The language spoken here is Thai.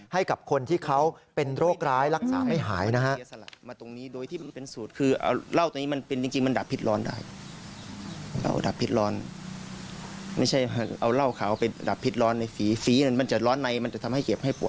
ให้กับคนที่เขาเป็นโรคร้ายรักษาไม่หายนะฮะ